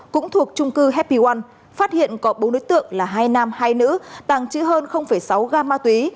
cũng thuộc trung cư happy one phát hiện có bốn đối tượng là hai nam hai nữ tàng trữ hơn sáu gram ma túy